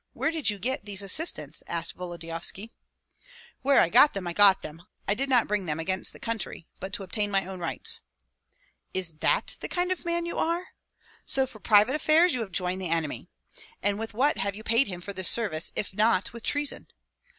Where did you get these assistants?" asked Volodyovski. "Where I got them I got them. I did not bring them against the country, but to obtain my own rights." "Is that the kind of man you are? So for private affairs you have joined the enemy. And with what have you paid him for this service, if not with treason?